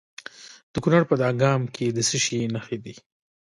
د کونړ په دانګام کې د څه شي نښې دي؟